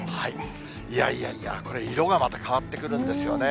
いやいやいや、これ、色がまた変わってくるんですよね。